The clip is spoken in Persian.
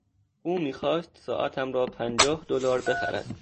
او میخواست ساعتم را پنجاه دلار بخرد.